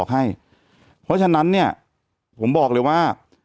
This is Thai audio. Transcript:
แต่หนูจะเอากับน้องเขามาแต่ว่า